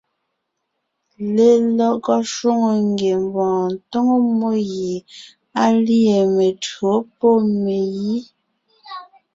Lelɔgɔ shwòŋo ngiembɔɔn tóŋo mmó gie á lîe mentÿǒ pɔ́ megǐ.